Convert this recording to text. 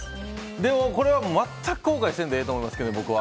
でもこれは全く後悔せんでええと思いますけどね、僕は。